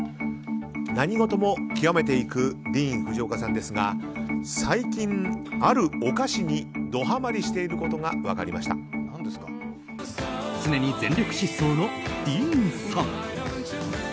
何事も極めていくディーン・フジオカさんですが最近、あるお菓子にドハマリしていることが常に全力疾走のディーンさん。